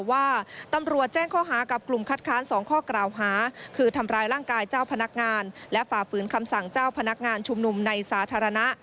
ว่าตำรวจแจ้งข้อหากับกลุ่มคัดค้าน๒ข้อกล่าวหาคือทำร้ายร่างกายเจ้าพนักงานและฝ่าฝืนคำสั่งเจ้าพนักงานชุมนุมในสาธารณะ